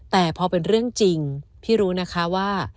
แต่พอเป็นเรื่องจริงพี่รู้นะคะว่า